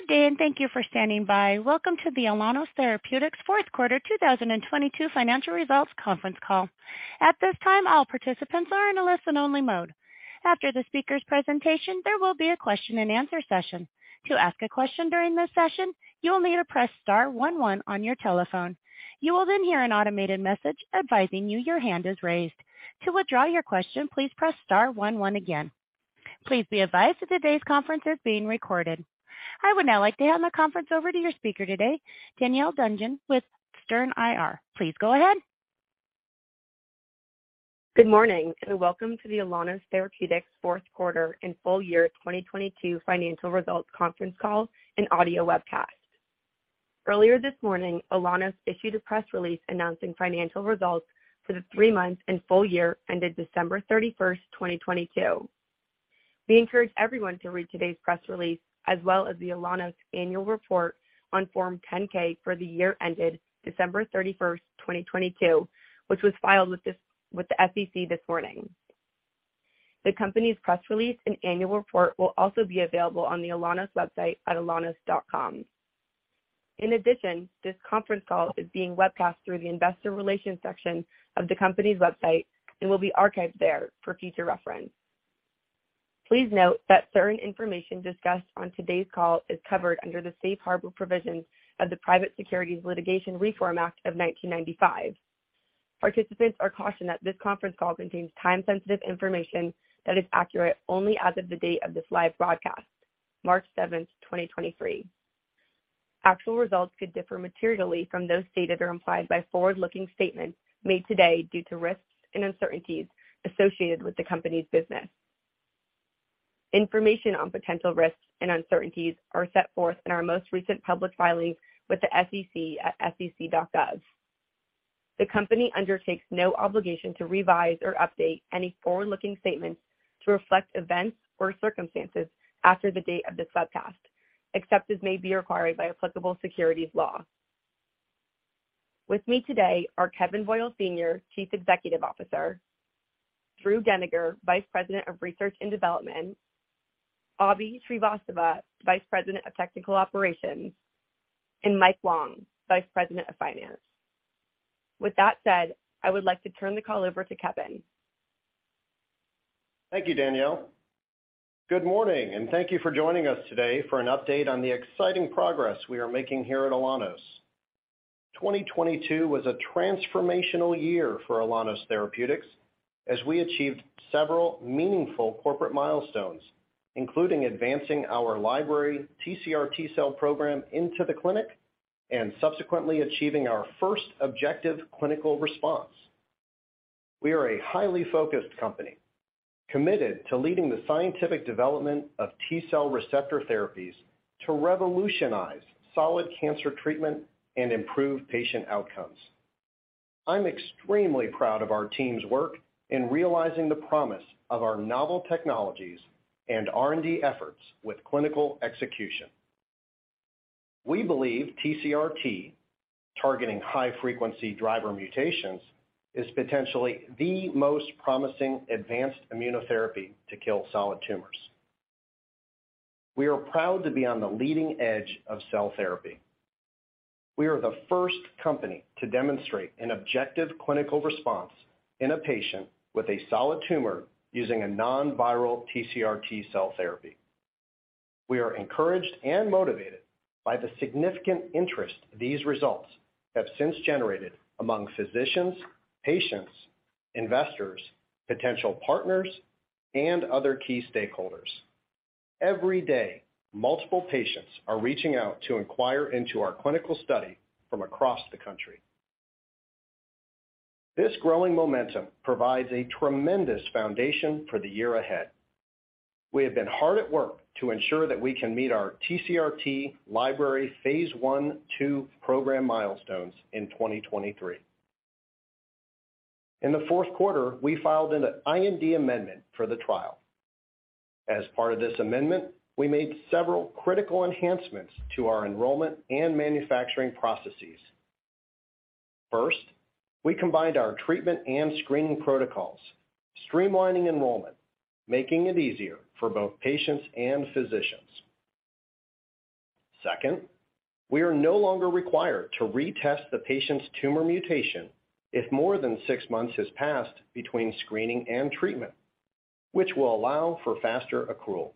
Good day, and thank you for standing by. Welcome to the Alaunos Therapeutics Fourth Quarter 2022 Financial Results Conference Call. At this time, all participants are in a listen-only mode. After the speaker's presentation, there will be a question-and-answer session. To ask a question during this session, you will need to press star one, one on your telephone. You will then hear an automated message advising you your hand is raised. To withdraw your question, please press star one, one again. Please be advised that today's conference is being recorded. I would now like to hand the conference over to your speaker today, Danielle Dudgeon with Stern IR. Please go ahead. Good morning, welcome to the Alaunos Therapeutics Fourth Quarter and Full-Year 2022 Financial Results Conference Call and Audio Webcast. Earlier this morning, Alaunos issued a press release announcing financial results for the three months and full year ended December 31st, 2022. We encourage everyone to read today's press release as well as the Alaunos annual report on Form 10-K for the year ended December 31st, 2022, which was filed with the SEC this morning. The company's press release and annual report will also be available on the Alaunos website at alaunos.com. This conference call is being webcast through the investor relations section of the company's website and will be archived there for future reference. Please note that certain information discussed on today's call is covered under the safe harbor provisions of the Private Securities Litigation Reform Act of 1995. Participants are cautioned that this conference call contains time-sensitive information that is accurate only as of the date of this live broadcast, March 7th, 2023. Actual results could differ materially from those stated or implied by forward-looking statements made today due to risks and uncertainties associated with the company's business. Information on potential risks and uncertainties are set forth in our most recent public filings with the SEC at sec.gov. The company undertakes no obligation to revise or update any forward-looking statements to reflect events or circumstances after the date of this webcast, except as may be required by applicable securities law. With me today are Kevin Boyle, Senior Chief Executive Officer, Drew Deniger, Vice President of Research and Development, Abhi Srivastava, Vice President of Technical Operations, and Mike Wong, Vice President of Finance. With that said, I would like to turn the call over to Kevin. Thank you, Danielle. Good morning, and thank you for joining us today for an update on the exciting progress we are making here at Alaunos. 2022 was a transformational year for Alaunos Therapeutics as we achieved several meaningful corporate milestones, including advancing our library TCR-T cell program into the clinic and subsequently achieving our first objective clinical response. We are a highly focused company committed to leading the scientific development of T-cell receptor therapies to revolutionize solid cancer treatment and improve patient outcomes. I'm extremely proud of our team's work in realizing the promise of our novel technologies and R&D efforts with clinical execution. We believe TCRT, targeting high-frequency driver mutations, is potentially the most promising advanced immunotherapy to kill solid tumors. We are proud to be on the leading edge of cell therapy. We are the first company to demonstrate an objective clinical response in a patient with a solid tumor using a non-viral TCR-T cell therapy. We are encouraged and motivated by the significant interest these results have since generated among physicians, patients, investors, potential partners, and other key stakeholders. Every day, multiple patients are reaching out to inquire into our clinical study from across the country. This growing momentum provides a tremendous foundation for the year ahead. We have been hard at work to ensure that we can meet our TCR-T library phase I/II program milestones in 2023. In the fourth quarter, we filed an IND amendment for the trial. As part of this amendment, we made several critical enhancements to our enrollment and manufacturing processes. First, we combined our treatment and screening protocols, streamlining enrollment, making it easier for both patients and physicians. Second, we are no longer required to retest the patient's tumor mutation if more than six months has passed between screening and treatment, which will allow for faster accrual.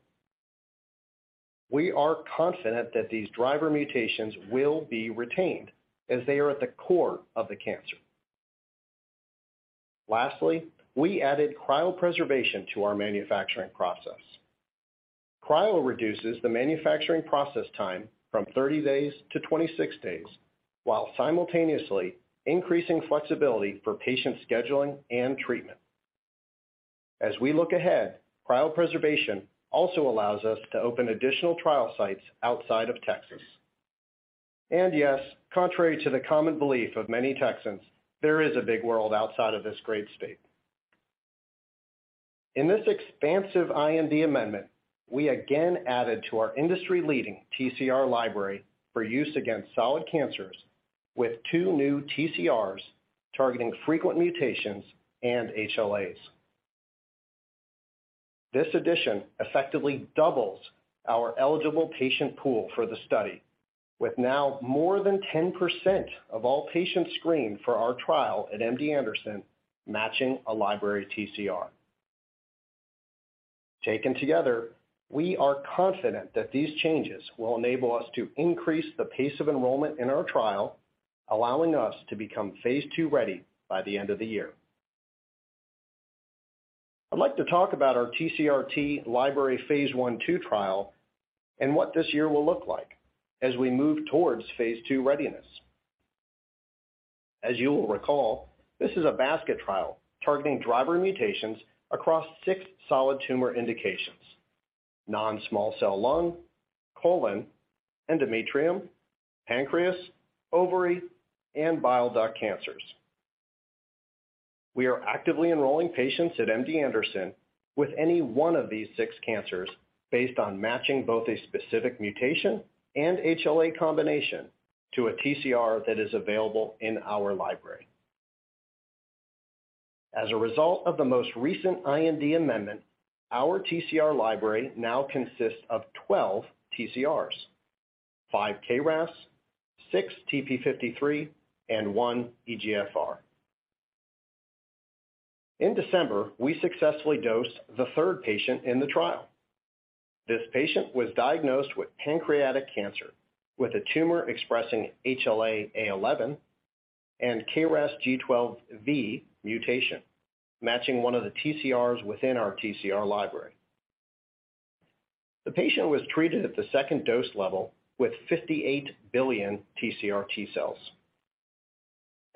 We are confident that these driver mutations will be retained as they are at the core of the cancer. Lastly, we added cryopreservation to our manufacturing process. Cryo reduces the manufacturing process time from 30 days to 26 days while simultaneously increasing flexibility for patient scheduling and treatment. As we look ahead, cryopreservation also allows us to open additional trial sites outside of Texas. Yes, contrary to the common belief of many Texans, there is a big world outside of this great state. In this expansive IND amendment, we again added to our industry-leading TCR library for use against solid cancers with two new TCRs targeting frequent mutations and HLAs. This addition effectively doubles our eligible patient pool for the study, with now more than 10% of all patients screened for our trial at MD Anderson matching a library TCR. Taken together, we are confident that these changes will enable us to increase the pace of enrollment in our trial, allowing us to become phase II ready by the end of the year. I'd like to talk about our TCRT library phase I/II trial and what this year will look like as we move towards phase II readiness. As you will recall, this is a basket trial targeting driver mutations across six solid tumor indications: non-small cell lung, colon, endometrium, pancreas, ovary, and bile duct cancers. We are actively enrolling patients at MD Anderson with any one of these six cancers based on matching both a specific mutation and HLA combination to a TCR that is available in our library. As a result of the most recent IND amendment, our TCR library now consists of 12 TCRs, five KRAS, six TP53, and one EGFR. In December, we successfully dosed the third patient in the trial. This patient was diagnosed with pancreatic cancer, with a tumor expressing HLA A11 and KRAS G12V mutation, matching one of the TCRs within our TCR library. The patient was treated at the second dose level with 58 billion TCR-T cells.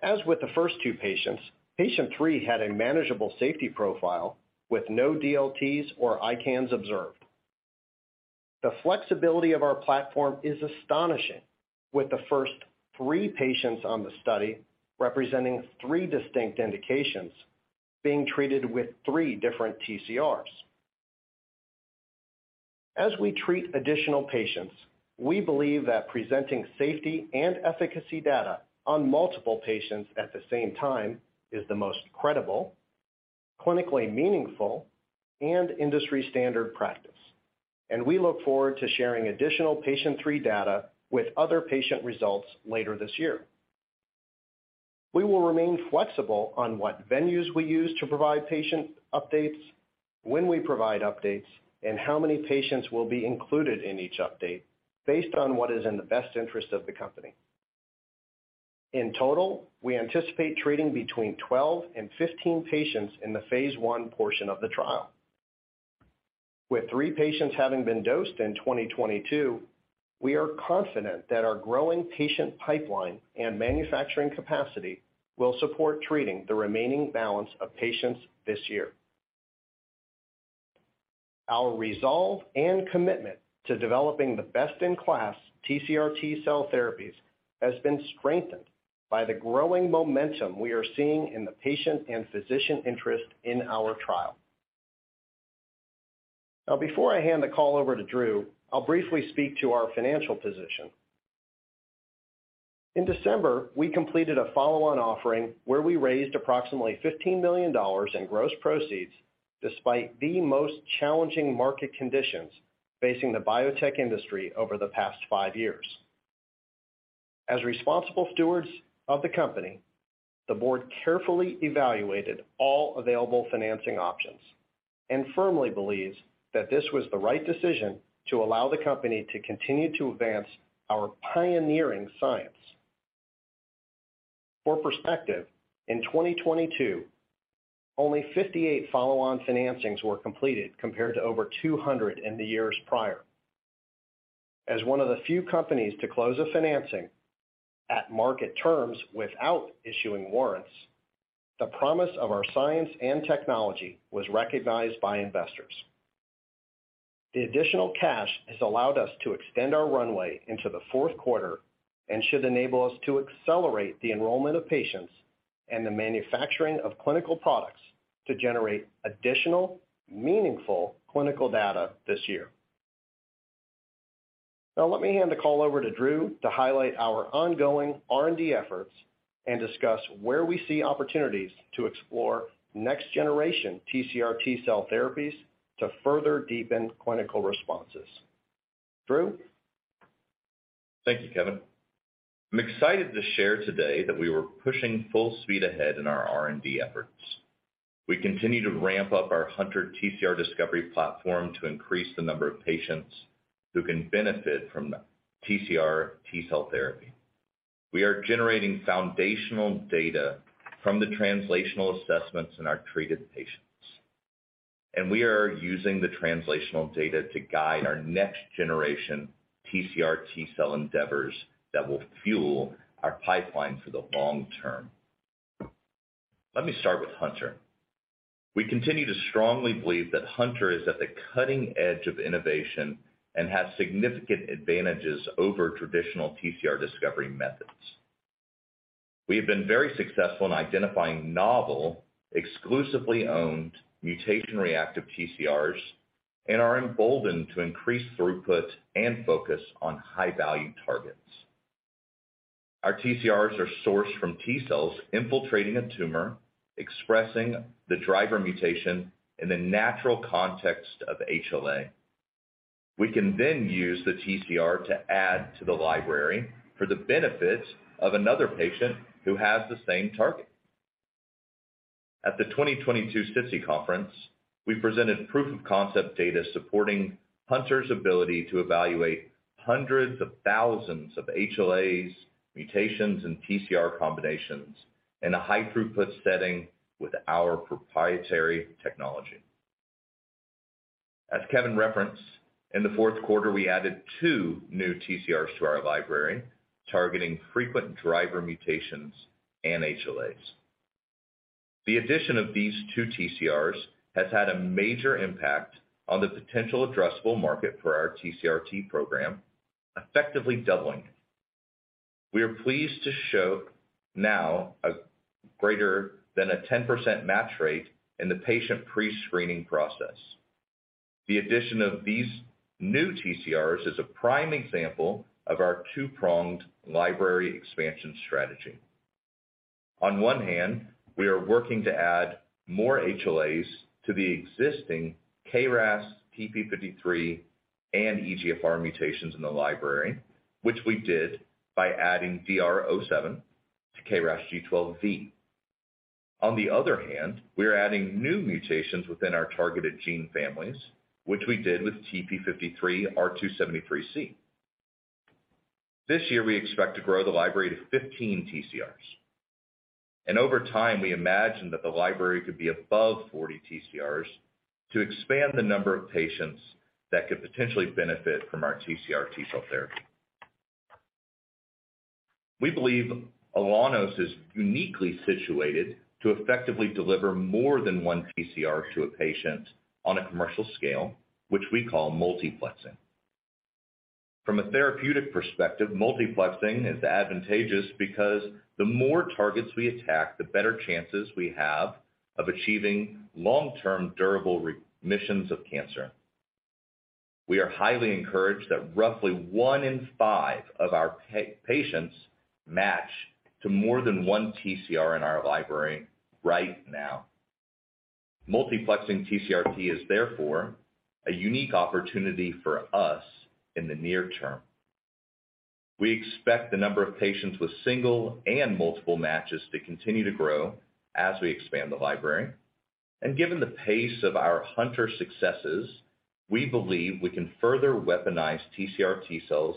As with the first two patients, patient three had a manageable safety profile with no DLTs or ICANS observed. The flexibility of our platform is astonishing. With the first three patients on the study representing three distinct indications, being treated with three different TCRs. As we treat additional patients, we believe that presenting safety and efficacy data on multiple patients at the same time is the most credible, clinically meaningful, and industry-standard practice. We look forward to sharing additional patient three data with other patient results later this year. We will remain flexible on what venues we use to provide patient updates, when we provide updates, and how many patients will be included in each update based on what is in the best interest of the company. In total, we anticipate treating between 12 and 15 patients in the phase I portion of the trial. With three patients having been dosed in 2022, we are confident that our growing patient pipeline and manufacturing capacity will support treating the remaining balance of patients this year. Our resolve and commitment to developing the best-in-class TCR-T cell therapies has been strengthened by the growing momentum we are seeing in the patient and physician interest in our trial. Before I hand the call over to Drew, I'll briefly speak to our financial position. In December, we completed a follow-on offering where we raised approximately $15 million in gross proceeds despite the most challenging market conditions facing the biotech industry over the past five years. As responsible stewards of the company, the board carefully evaluated all available financing options and firmly believes that this was the right decision to allow the company to continue to advance our pioneering science. For perspective, in 2022, only 58 follow-on financings were completed, compared to over 200 in the years prior. As one of the few companies to close a financing at market terms without issuing warrants, the promise of our science and technology was recognized by investors. The additional cash has allowed us to extend our runway into the fourth quarter and should enable us to accelerate the enrollment of patients and the manufacturing of clinical products to generate additional meaningful clinical data this year. Now let me hand the call over to Drew to highlight our ongoing R&D efforts and discuss where we see opportunities to explore next-generation TCR-T cell therapies to further deepen clinical responses. Drew? Thank you, Kevin. I'm excited to share today that we were pushing full speed ahead in our R&D efforts. We continue to ramp up our hunTR TCR discovery platform to increase the number of patients who can benefit from TCR-T cell therapy. We are generating foundational data from the translational assessments in our treated patients, and we are using the translational data to guide our next-generation TCR-T cell endeavors that will fuel our pipeline for the long term. Let me start with hunTR. We continue to strongly believe that hunTR is at the cutting edge of innovation and has significant advantages over traditional TCR discovery methods. We have been very successful in identifying novel, exclusively owned mutation-reactive TCRs and are emboldened to increase throughput and focus on high-value targets. Our TCRs are sourced from T cells infiltrating a tumor, expressing the driver mutation in the natural context of HLA. We can use the TCR to add to the library for the benefit of another patient who has the same target. At the 2022 SITC conference, we presented proof-of-concept data supporting hunTR's ability to evaluate hundreds of thousands of HLAs, mutations, and TCR combinations in a high-throughput setting with our proprietary technology. As Kevin referenced, in the fourth quarter, we added two new TCRs to our library, targeting frequent driver mutations and HLAs. The addition of these 2 TCRs has had a major impact on the potential addressable market for our TCRT program, effectively doubling it. We are pleased to show now a greater than a 10% match rate in the patient pre-screening process. The addition of these new TCRs is a prime example of our two-pronged library expansion strategy. On one hand, we are working to add more HLAs to the existing KRAS, TP53, and EGFR mutations in the library, which we did by adding DR07 to KRAS G12V. On the other hand, we are adding new mutations within our targeted gene families, which we did with TP53 R273C. This year, we expect to grow the library to 15 TCRs. Over time, we imagine that the library could be above 40 TCRs to expand the number of patients that could potentially benefit from our TCR-T cell therapy. We believe Alaunos is uniquely situated to effectively deliver more than one TCR to a patient on a commercial scale, which we call multiplexing. From a therapeutic perspective, multiplexing is advantageous because the more targets we attack, the better chances we have of achieving long-term durable remissions of cancer. We are highly encouraged that roughly one in five of our patients match to more than one TCR in our library right now. multiplexing TCRT is therefore a unique opportunity for us in the near term. We expect the number of patients with single and multiple matches to continue to grow as we expand the library. Given the pace of our hunTR successes, we believe we can further weaponize TCR-T cells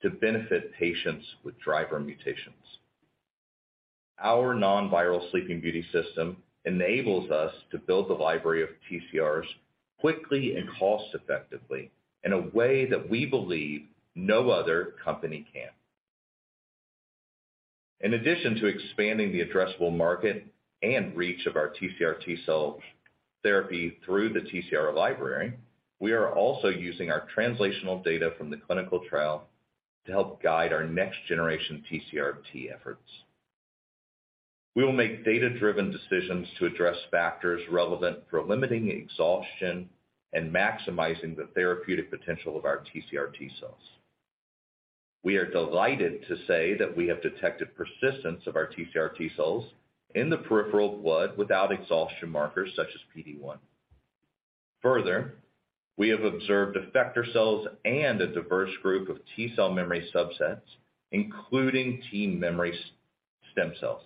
to benefit patients with driver mutations. Our non-viral Sleeping Beauty system enables us to build the library of TCRs quickly and cost-effectively in a way that we believe no other company can. In addition to expanding the addressable market and reach of our TCR-T cells therapy through the TCR library, we are also using our translational data from the clinical trial to help guide our next-generation TCRT efforts. We will make data-driven decisions to address factors relevant for limiting exhaustion and maximizing the therapeutic potential of our TCR-T cells. We are delighted to say that we have detected persistence of our TCR-T cells in the peripheral blood without exhaustion markers such as PD-1. Further, we have observed effector cells and a diverse group of T-cell memory subsets, including T memory stem cells.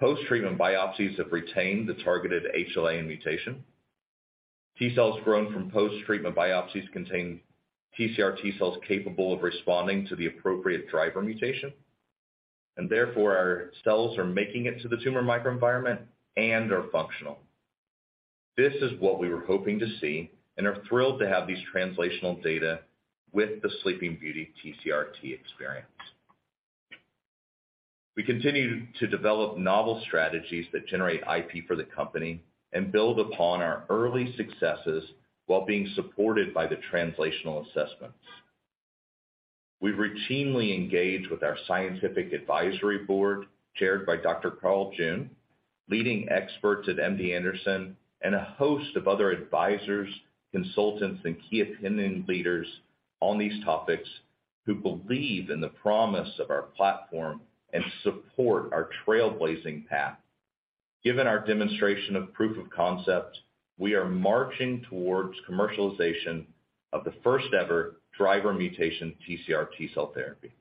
Post-treatment biopsies have retained the targeted HLA and mutation. T-cells grown from post-treatment biopsies contain TCR-T cells capable of responding to the appropriate driver mutation, and therefore our cells are making it to the tumor microenvironment and are functional. This is what we were hoping to see and are thrilled to have these translational data with the Sleeping Beauty TCRT experience. We continue to develop novel strategies that generate IP for the company and build upon our early successes while being supported by the translational assessments. We routinely engage with our scientific advisory board, chaired by Dr. Carl June, leading experts at MD Anderson, and a host of other advisors, consultants, and key opinion leaders on these topics who believe in the promise of our platform and support our trailblazing path. Given our demonstration of proof of concept, we are marching towards commercialization of the first ever driver mutation TCR-T cell therapy.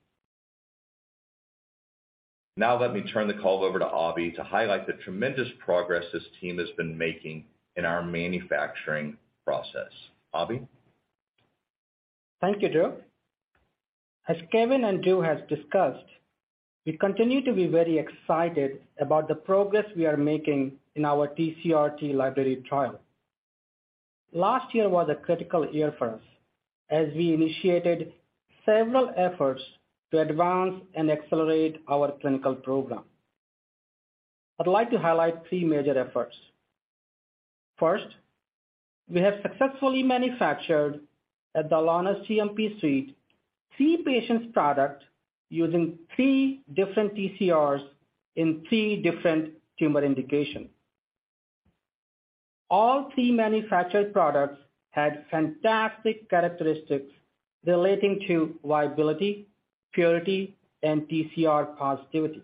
Let me turn the call over to Abhi to highlight the tremendous progress this team has been making in our manufacturing process. Abhi? Thank you, Drew. As Kevin and Drew has discussed, we continue to be very excited about the progress we are making in our TCRT library trial. Last year was a critical year for us as we initiated several efforts to advance and accelerate our clinical program. I'd like to highlight three major efforts. First, we have successfully manufactured at the Alaunos GMP suite three patients product using three different TCRs in three different tumor indications. All three manufactured products had fantastic characteristics relating to viability, purity, and TCR positivity.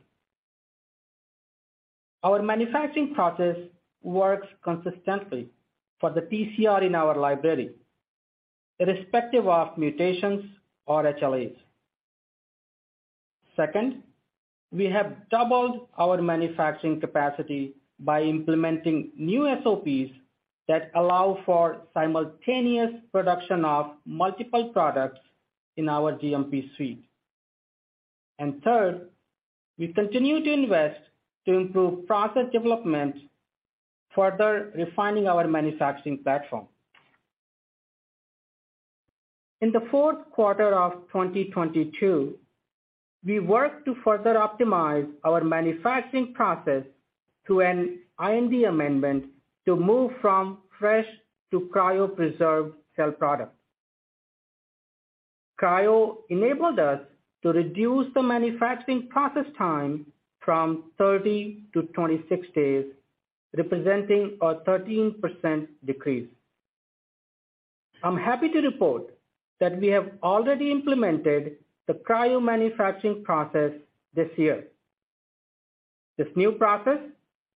Our manufacturing process works consistently for the TCR in our library, irrespective of mutations or HLAs. Second, we have doubled our manufacturing capacity by implementing new SOPs that allow for simultaneous production of multiple products in our GMP suite. Third, we continue to invest to improve process development, further refining our manufacturing platform. In the fourth quarter of 2022, we worked to further optimize our manufacturing process through an IND amendment to move from fresh to cryopreserved cell products. Cryo enabled us to reduce the manufacturing process time from 30 to 26 days, representing a 13% decrease. I'm happy to report that we have already implemented the cryo manufacturing process this year. This new process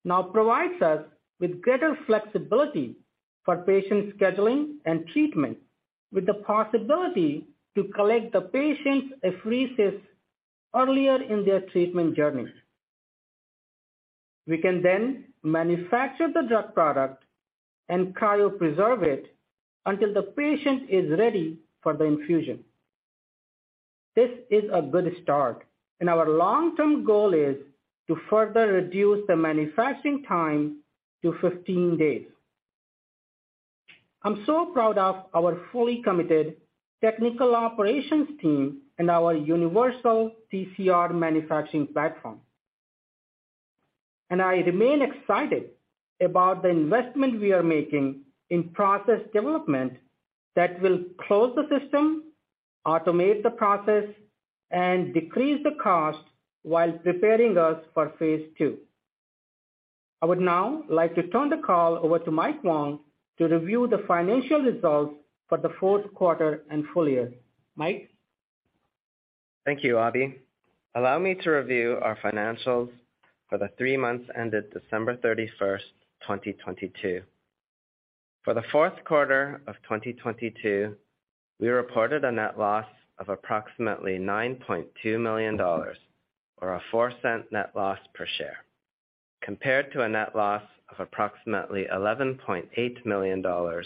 now provides us with greater flexibility for patient scheduling and treatment, with the possibility to collect the patient's apheresis earlier in their treatment journeys. We can manufacture the drug product and cryopreserve it until the patient is ready for the infusion. This is a good start, our long-term goal is to further reduce the manufacturing time to 15 days. I'm so proud of our fully committed technical operations team and our universal TCR manufacturing platform. I remain excited about the investment we are making in process development that will close the system, automate the process, and decrease the cost while preparing us for phase two. I would now like to turn the call over to Mike Wong to review the financial results for the fourth quarter and full year. Mike? Thank you, Abhi. Allow me to review our financials for the three months ended December 31st, 2022. For the fourth quarter of 2022, we reported a net loss of approximately $9.2 million or a $0.04 net loss per share, compared to a net loss of approximately $11.8 million or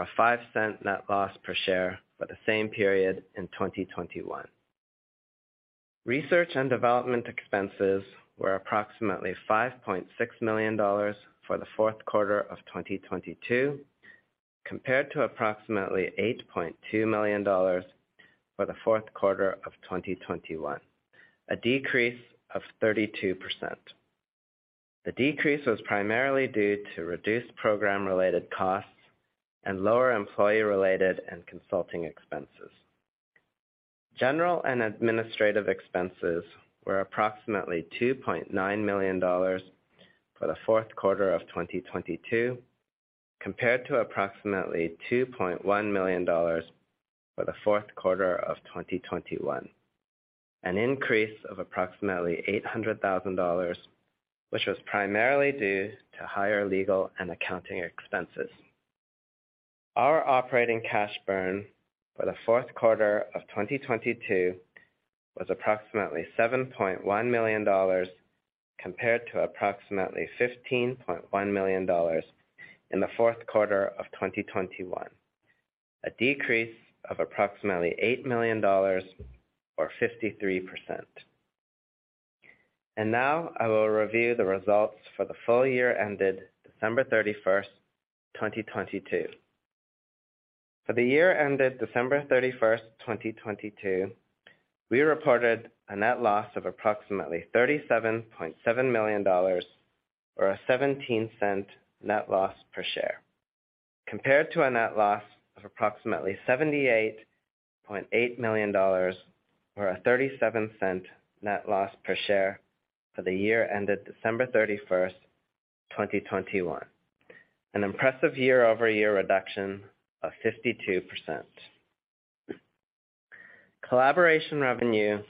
a $0.05 net loss per share for the same period in 2021. Research and development expenses were approximately $5.6 million for the fourth quarter of 2022, compared to approximately $8.2 million for the fourth quarter of 2021, a decrease of 32%. The decrease was primarily due to reduced program-related costs and lower employee-related and consulting expenses. General and administrative expenses were approximately $2.9 million for the fourth quarter of 2022, compared to approximately $2.1 million for the fourth quarter of 2021, an increase of approximately $800,000, which was primarily due to higher legal and accounting expenses. Our operating cash burn for the fourth quarter of 2022 was approximately $7.1 million compared to approximately $15.1 million in the fourth quarter of 2021, a decrease of approximately $8 million or 53%. Now I will review the results for the full year ended December 31, 2022. For the year ended December 31st, 2022, we reported a net loss of approximately $37.7 million or a $0.17 net loss per share, compared to a net loss of approximately $78.8 million or a $0.37 net loss per share for the year ended December 31st, 2021, an impressive year-over-year reduction of 52%. Collaboration revenue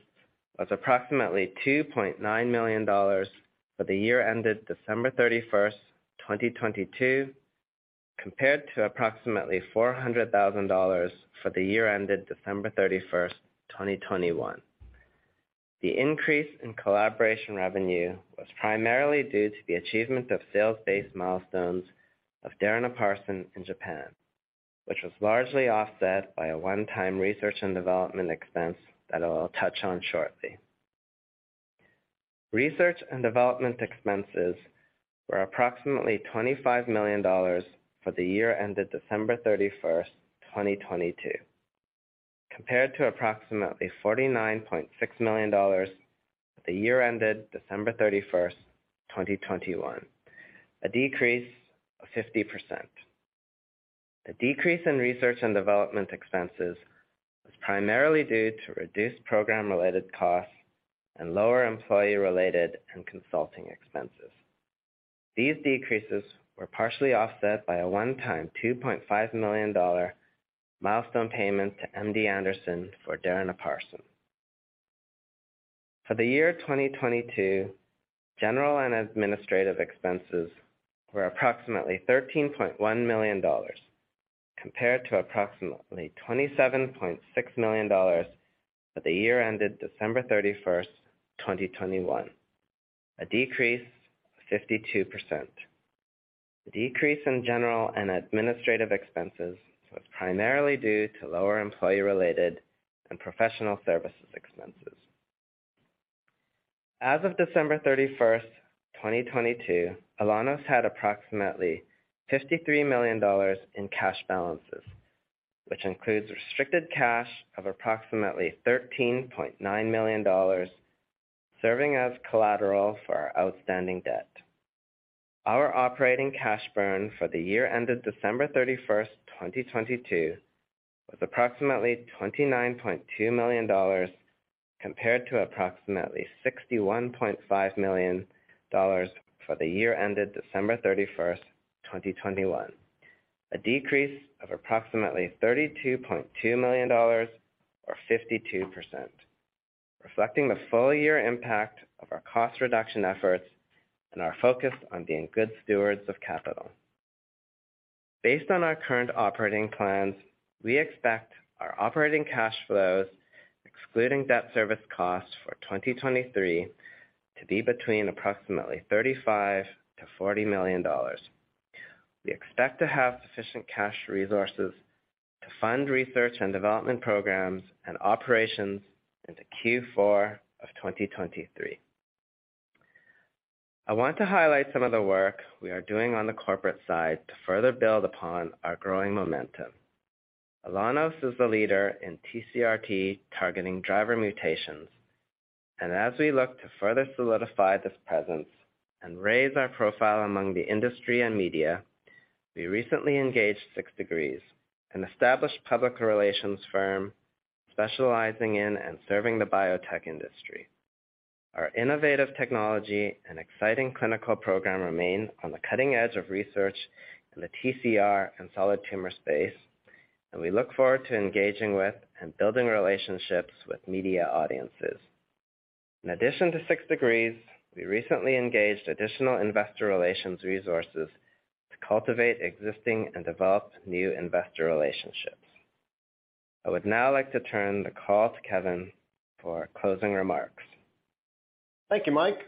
was approximately $2.9 million for the year ended December 31st, 2022, compared to approximately $400,000 for the year ended December 31st, 2021. The increase in collaboration revenue was primarily due to the achievement of sales-based milestones of Darinaparsin in Japan, which was largely offset by a one-time research and development expense that I will touch on shortly. Research and development expenses were approximately $25 million for the year ended December 31, 2022, compared to approximately $49.6 million for the year ended December 31, 2021, a decrease of 50%. The decrease in research and development expenses was primarily due to reduced program-related costs and lower employee-related and consulting expenses. These decreases were partially offset by a one-time $2.5 million milestone payment to MD Anderson for Darinaparsin. The year 2022, general and administrative expenses were approximately $13.1 million compared to approximately $27.6 million for the year ended December 31, 2021, a decrease of 52%. The decrease in general and administrative expenses was primarily due to lower employee-related and professional services expenses. As of December 31, 2022, Alaunos had approximately $53 million in cash balances, which includes Restricted Cash of approximately $13.9 million, serving as collateral for our outstanding debt. Our operating cash burn for the year ended December 31, 2022, was approximately $29.2 million compared to approximately $61.5 million for the year ended December 31, 2021. A decrease of approximately $32.2 million or 52%, reflecting the full year impact of our cost reduction efforts and our focus on being good stewards of capital. Based on our current operating plans, we expect our operating cash flows, excluding debt service costs for 2023, to be between approximately $35 million-$40 million. We expect to have sufficient cash resources to fund research and development programs and operations into Q4 of 2023. I want to highlight some of the work we are doing on the corporate side to further build upon our growing momentum. Alaunos is the leader in TCRT targeting driver mutations. As we look to further solidify this presence and raise our profile among the industry and media, we recently engaged 6 Degrees, an established public relations firm specializing in and serving the biotech industry. Our innovative technology and exciting clinical program remains on the cutting edge of research in the TCR and solid tumor space. We look forward to engaging with and building relationships with media audiences. In addition to 6 Degrees, we recently engaged additional investor relations resources to cultivate existing and develop new investor relationships. I would now like to turn the call to Kevin for closing remarks. Thank you, Mike.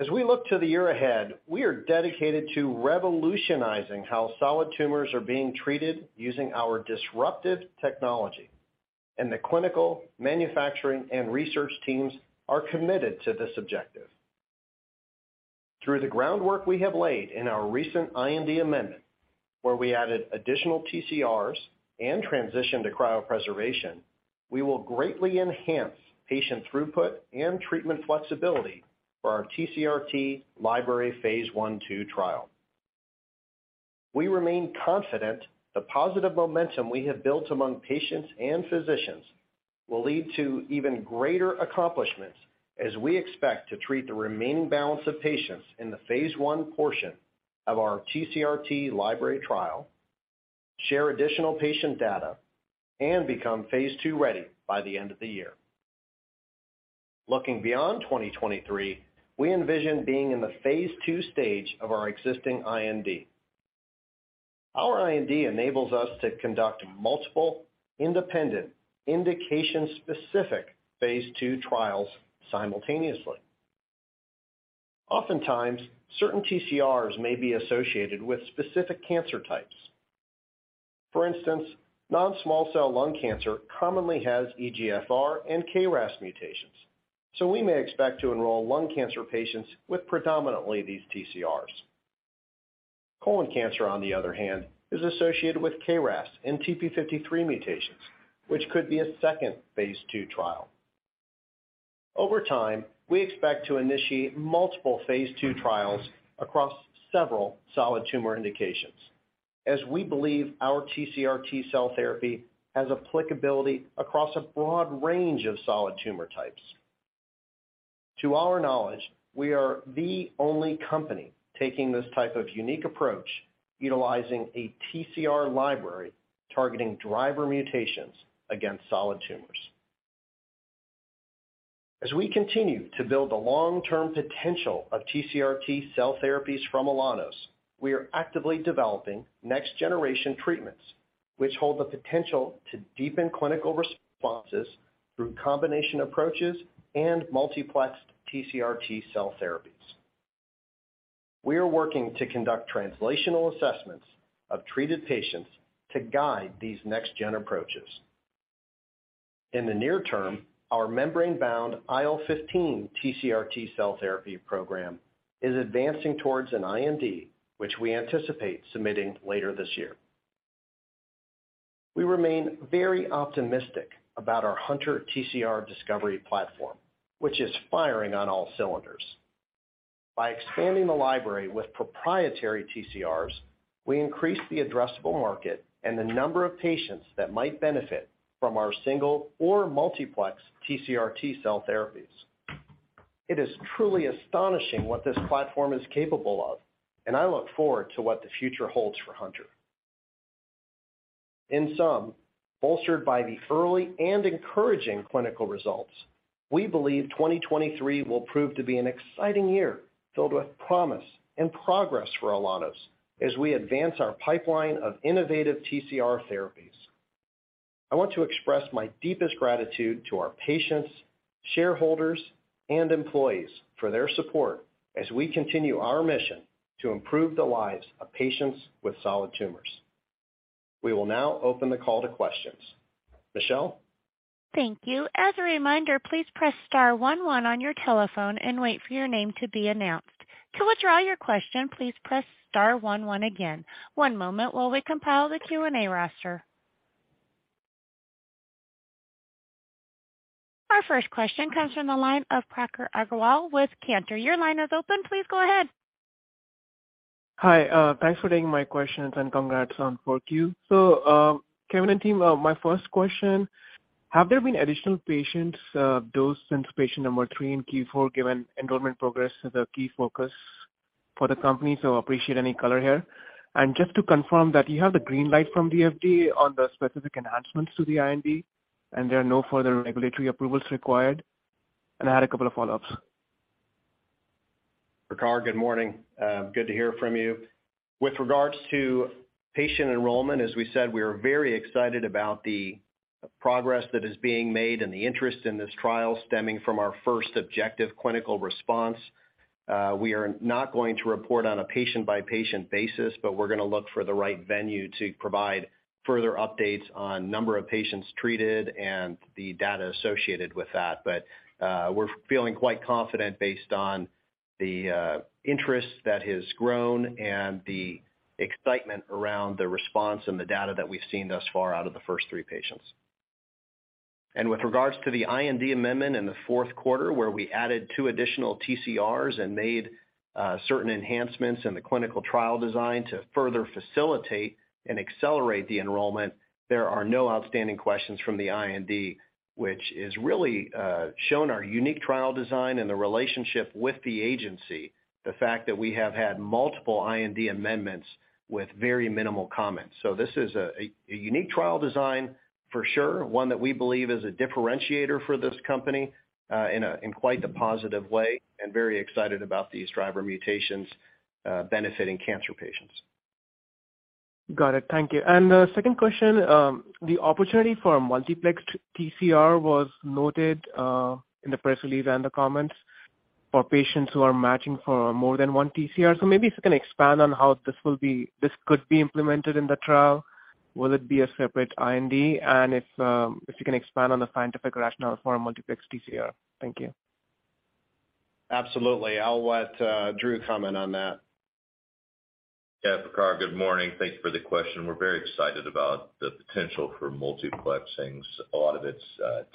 As we look to the year ahead, we are dedicated to revolutionizing how solid tumors are being treated using our disruptive technology, and the clinical, manufacturing, and research teams are committed to this objective. Through the groundwork we have laid in our recent IND amendment, where we added additional TCRs and transition to cryopreservation, we will greatly enhance patient throughput and treatment flexibility for our TCRT library phase I/II trial. We remain confident the positive momentum we have built among patients and physicians will lead to even greater accomplishments as we expect to treat the remaining balance of patients in the phase I portion of our TCRT library trial, share additional patient data, and become phase II-ready by the end of the year. Looking beyond 2023, we envision being in the phase II stage of our existing IND. Our IND enables us to conduct multiple, independent, indication-specific phase II trials simultaneously. Oftentimes, certain TCRs may be associated with specific cancer types. For instance, non-small cell lung cancer commonly has EGFR and KRAS mutations, so we may expect to enroll lung cancer patients with predominantly these TCRs. Colon cancer, on the other hand, is associated with KRAS and TP53 mutations, which could be a second phase II trial. Over time, we expect to initiate multiple phase II trials across several solid tumor indications, as we believe our TCRT cell therapy has applicability across a broad range of solid tumor types. To our knowledge, we are the only company taking this type of unique approach utilizing a TCR library targeting driver mutations against solid tumors. As we continue to build the long-term potential of TCRT cell therapies from Alaunos, we are actively developing next-generation treatments, which hold the potential to deepen clinical responses through combination approaches and multiplexed TCRT cell therapies. We are working to conduct translational assessments of treated patients to guide these next-gen approaches. In the near term, our membrane-bound IL-15 TCR-T cell therapy program is advancing towards an IND, which we anticipate submitting later this year. We remain very optimistic about our hunTR TCR discovery platform, which is firing on all cylinders. By expanding the library with proprietary TCRs, we increase the addressable market and the number of patients that might benefit from our single or multiplex TCR-T cell therapies. It is truly astonishing what this platform is capable of, and I look forward to what the future holds for hunTR. In sum, bolstered by the early and encouraging clinical results, we believe 2023 will prove to be an exciting year, filled with promise and progress for Alaunos as we advance our pipeline of innovative TCR therapies. I want to express my deepest gratitude to our patients, shareholders, and employees for their support as we continue our mission to improve the lives of patients with solid tumors. We will now open the call to questions. Michelle? Thank you. As a reminder, please press star one one on your telephone and wait for your name to be announced. To withdraw your question, please press star one one again. One moment while we compile the Q&A roster. Our first question comes from the line of Prakhar Agrawal with Cantor. Your line is open. Please go ahead. Hi, thanks for taking my questions and congrats on Q4. Kevin and team, my first question, have there been additional patients dosed since patient number one in Q4, given enrollment progress is a key focus for the company, so appreciate any color here? Just to confirm that you have the green light from the FDA on the specific enhancements to the IND, and there are no further regulatory approvals required. I had a couple of follow-ups. Prakhar, good morning. good to hear from you. With regards to patient enrollment, as we said, we are very excited about the progress that is being made and the interest in this trial stemming from our first objective clinical response. We are not going to report on a patient-by-patient basis, but we're gonna look for the right venue to provide further updates on number of patients treated and the data associated with that. We're feeling quite confident based on the interest that has grown and the excitement around the response and the data that we've seen thus far out of the first three patients. With regards to the IND amendment in the fourth quarter, where we added two additional TCRs and made certain enhancements in the clinical trial design to further facilitate and accelerate the enrollment, there are no outstanding questions from the IND, which has really shown our unique trial design and the relationship with the agency, the fact that we have had multiple IND amendments with very minimal comments. This is a unique trial design for sure, one that we believe is a differentiator for this company in quite a positive way and very excited about these driver mutations benefiting cancer patients. Got it. Thank you. Second question, the opportunity for multiplex TCR was noted in the press release and the comments for patients who are matching for more than one TCR. Maybe if you can expand on how this could be implemented in the trial. Will it be a separate IND? If you can expand on the scientific rationale for a multiplex TCR. Thank you. Absolutely. I'll let Drew comment on that. Prakhar, good morning. Thanks for the question. We're very excited about the potential for multiplexings. A lot of it's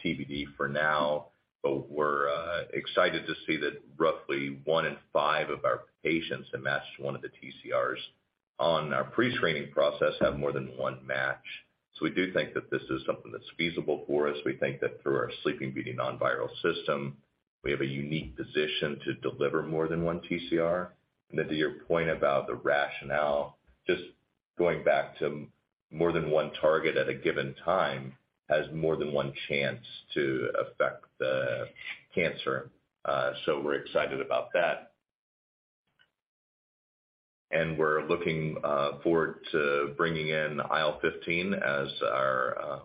TBD for now, but we're excited to see that roughly one in five of our patients that matched one of the TCRs on our pre-screening process have more than one match. We do think that this is something that's feasible for us. We think that through our Sleeping Beauty non-viral system, we have a unique position to deliver more than 1 TCR. Then to your point about the rationale, just going back to more than one target at a given time has more than one chance to affect the cancer. We're excited about that. We're looking forward to bringing in IL-15 as our.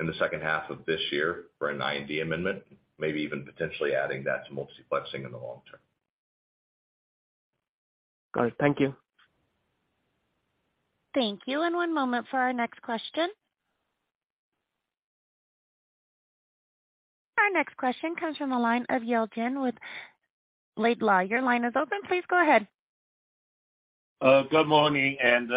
in the second half of this year for an IND amendment, maybe even potentially adding that to multiplexing in the long-term. Got it. Thank you. Thank you. One moment for our next question. Our next question comes from the line of Yale Jen with Laidlaw. Your line is open. Please go ahead. Good morning, and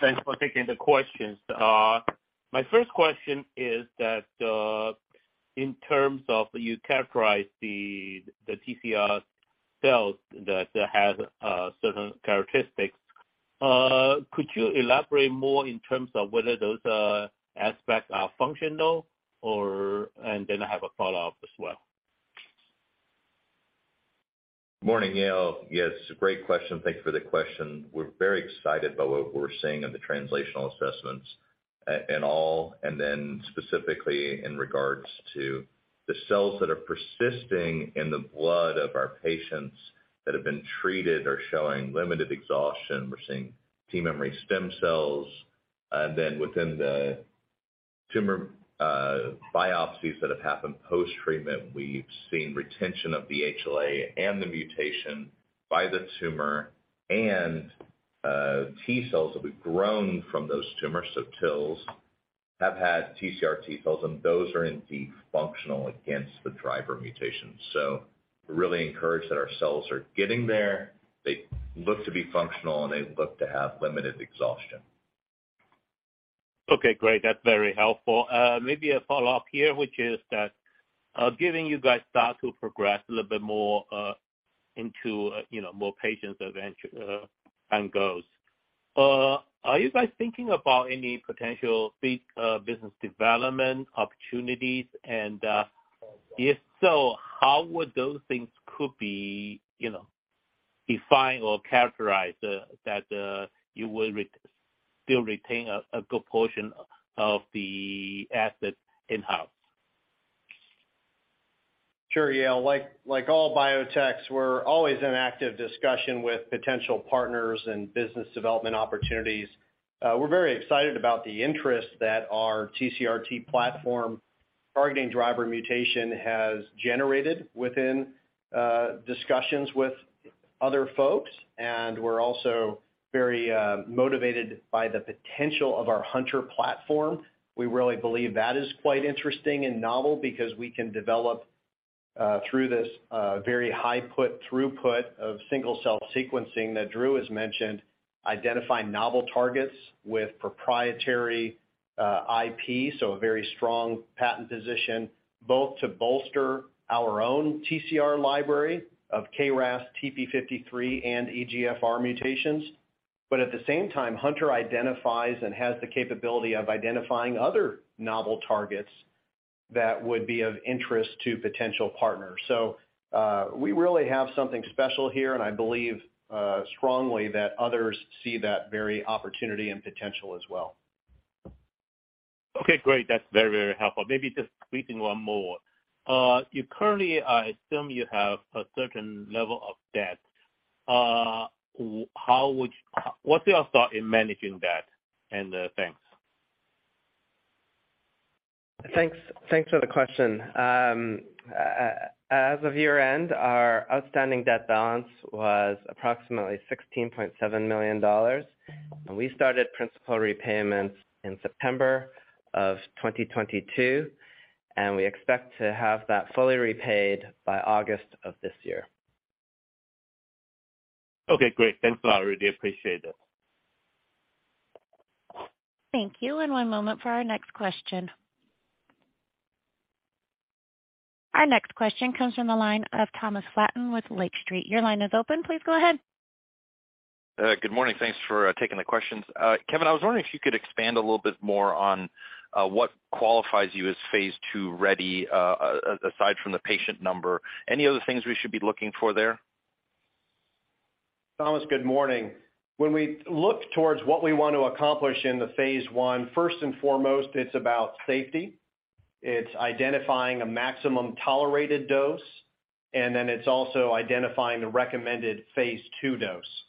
thanks for taking the questions. My first question is that, in terms of you characterize the TCR cells that has certain characteristics, could you elaborate more in terms of whether those aspects are functional or—then I have a follow-up as well. Morning, Yale. Yes, great question. Thanks for the question. We're very excited by what we're seeing in the translational assessments and all, then specifically in regards to the cells that are persisting in the blood of our patients that have been treated are showing limited exhaustion. We're seeing T memory stem cells. Then within the tumor, biopsies that have happened post-treatment, we've seen retention of the HLA and the mutation by the tumor and T cells that we've grown from those tumors. TILs Have had TCR T cells and those are indeed functional against the driver mutation. We're really encouraged that our cells are getting there, they look to be functional, and they look to have limited exhaustion. Great. That's very helpful. Maybe a follow-up here, which is that, giving you guys start to progress a little bit more, into, you know, more patients event- end goals. Are you guys thinking about any potential, business development opportunities? If so, how would those things could be, you know, defined or characterized that, you will still retain a good portion of the asset in-house? Sure. Like all biotechs, we're always in active discussion with potential partners and business development opportunities. We're very excited about the interest that our TCRT platform targeting driver mutation has generated within discussions with other folks. We're also very motivated by the potential of our hunTR platform. We really believe that is quite interesting and novel because we can develop through this very high throughput of single-cell sequencing that Drew has mentioned, identify novel targets with proprietary IP, so a very strong patent position, both to bolster our own TCR library of KRAS, TP53, and EGFR mutations. At the same time, hunTR identifies and has the capability of identifying other novel targets that would be of interest to potential partners. We really have something special here, and I believe strongly that others see that very opportunity and potential as well. Okay, great. That's very, very helpful. Maybe just briefing one more. You currently, I assume you have a certain level of debt. What's your thought in managing debt? Thanks. Thanks. Thanks for the question. As of year-end, our outstanding debt balance was approximately $16.7 million. We started principal repayments in September of 2022. We expect to have that fully repaid by August of this year. Okay, great. Thanks a lot. Really appreciate it. Thank you. One moment for our next question. Our next question comes from the line of Thomas Flaten with Lake Street. Your line is open. Please go ahead. Good morning. Thanks for taking the questions. Kevin, I was wondering if you could expand a little bit more on what qualifies you as phase II ready, aside from the patient number. Any other things we should be looking for there? Thomas, good morning. When we look towards what we want to accomplish in the phase I, first and foremost, it's about safety. It's identifying a maximum tolerated dose, and then it's also identifying the recommended phase II dose.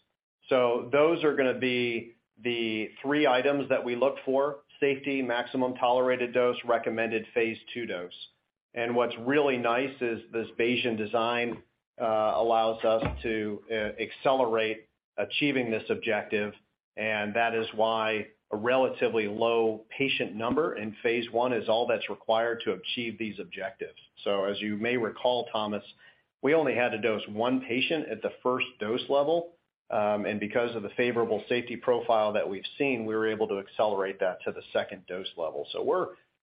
Those are gonna be the three items that we look for, safety, maximum tolerated dose, recommended phase II dose. What's really nice is this Bayesian design allows us to accelerate achieving this objective, and that is why a relatively low patient number in phase I is all that's required to achieve these objectives. As you may recall, Thomas, we only had to dose one patient at the first dose level, and because of the favorable safety profile that we've seen, we were able to accelerate that to the second dose level.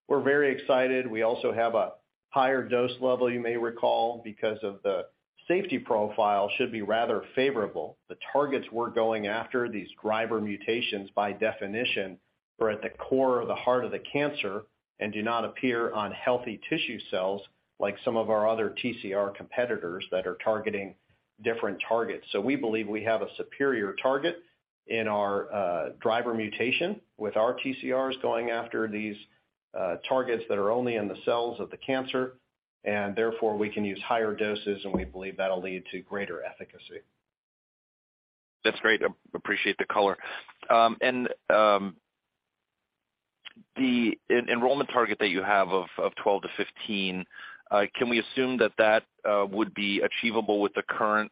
We're very excited. We also have a higher dose level you may recall because of the safety profile should be rather favorable. The targets we're going after, these driver mutations by definition, are at the core of the heart of the cancer and do not appear on healthy tissue cells like some of our other TCR competitors that are targeting different targets. We believe we have a superior target in our driver mutation with our TCRs going after these targets that are only in the cells of the cancer, and therefore we can use higher doses, and we believe that'll lead to greater efficacy. That's great. Appreciate the color. The enrollment target that you have of 12-15, can we assume that that would be achievable with the current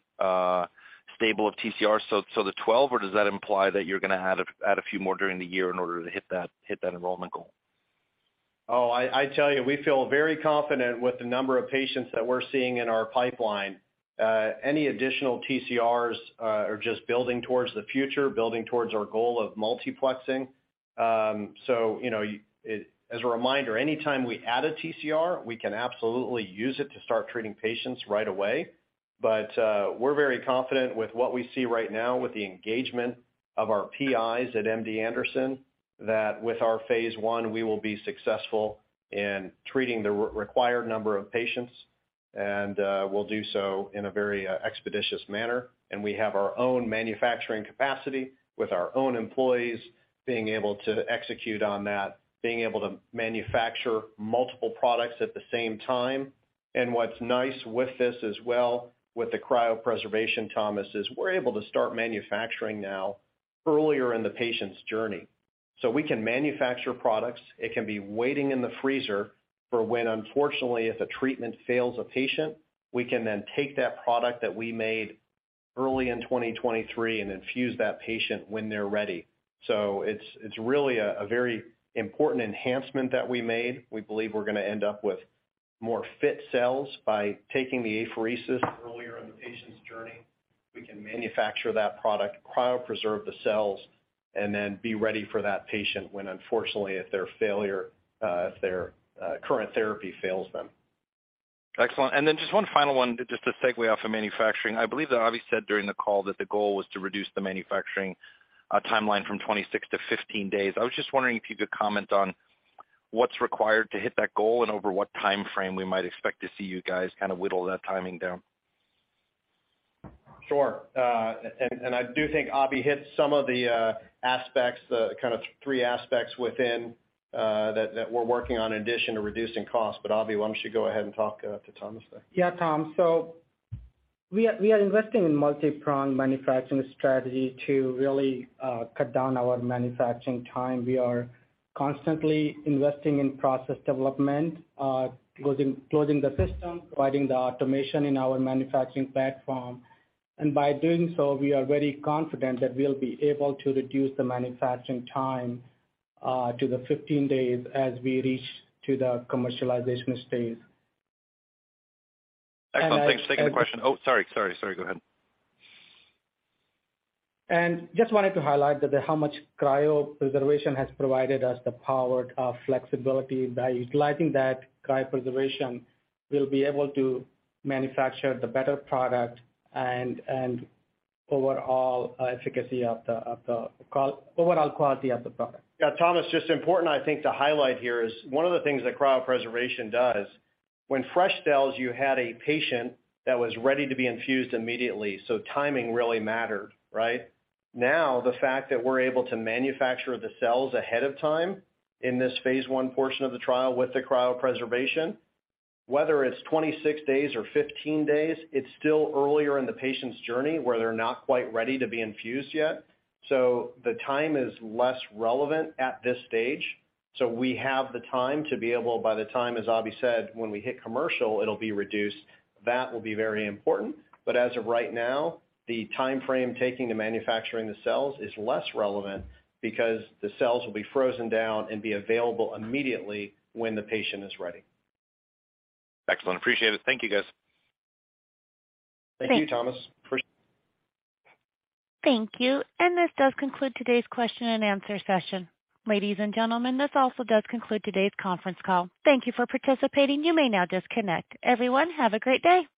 stable of TCR? So the 12, or does that imply that you're gonna add a few more during the year in order to hit that enrollment goal? I tell you, we feel very confident with the number of patients that we're seeing in our pipeline. Any additional TCRs are just building towards the future, building towards our goal of multiplexing. you know, As a reminder, anytime we add a TCR, we can absolutely use it to start treating patients right away. we're very confident with what we see right now with the engagement of our PIs at MD Anderson, that with our phase I, we will be successful in treating the required number of patients, and we'll do so in a very expeditious manner. We have our own manufacturing capacity with our own employees being able to execute on that, being able to manufacture multiple products at the same time. What's nice with this as well, with the cryopreservation, Thomas, is we're able to start manufacturing now earlier in the patient's journey. We can manufacture products. It can be waiting in the freezer for when, unfortunately, if a treatment fails a patient, we can then take that product that we made early in 2023 and infuse that patient when they're ready. It's, it's really a very important enhancement that we made. We believe we're gonna end up with more fit cells by taking the apheresis earlier in the patient's journey. We can manufacture that product, cryopreserve the cells, and then be ready for that patient when unfortunately if their current therapy fails them. Excellent. Just one final one just to segue off of manufacturing. I believe that Abhi said during the call that the goal was to reduce the manufacturing timeline from 26 to 15 days. I was just wondering if you could comment on what's required to hit that goal and over what timeframe we might expect to see you guys kind of whittle that timing down. Sure. I do think Abhi hit some of the aspects, the kind of three aspects within that we're working on in addition to reducing costs, but Abhi, why don't you go ahead and talk to Thomas there? Yeah, Tom. We are investing in multipronged manufacturing strategy to really cut down our manufacturing time. We are constantly investing in process development, closing the system, providing the automation in our manufacturing platform. By doing so, we are very confident that we'll be able to reduce the manufacturing time to the 15 days as we reach to the commercialization stage. Excellent. Thanks. Taking the question. Oh, sorry. Go ahead. Just wanted to highlight that how much cryopreservation has provided us the power of flexibility. By utilizing that cryopreservation, we'll be able to manufacture the better product and overall efficacy of the overall quality of the product. Yeah. Thomas, just important I think to highlight here is one of the things that cryopreservation does, when fresh cells, you had a patient that was ready to be infused immediately, so timing really mattered, right? Now, the fact that we're able to manufacture the cells ahead of time in this phase I portion of the trial with the cryopreservation, whether it's 26 days or 15 days, it's still earlier in the patient's journey where they're not quite ready to be infused yet. The time is less relevant at this stage, so we have the time to be able by the time, as Abhi said, when we hit commercial, it'll be reduced. That will be very important. As of right now, the timeframe taking and manufacturing the cells is less relevant because the cells will be frozen down and be available immediately when the patient is ready. Excellent. Appreciate it. Thank you, guys. Thank you, Thomas. Thank you. This does conclude today's question and answer session. Ladies and gentlemen, this also does conclude today's conference call. Thank you for participating. You may now disconnect. Everyone, have a great day.